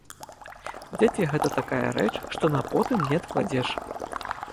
Дзеці гэта такая рэч, што на потым не адкладзеш.